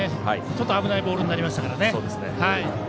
ちょっと危ないボールになりましたからね。